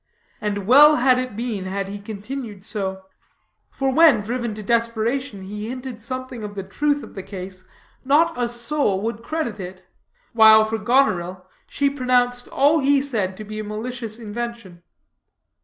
And well had it been had he continued so; for when, driven to desperation, he hinted something of the truth of the case, not a soul would credit it; while for Goneril, she pronounced all he said to be a malicious invention.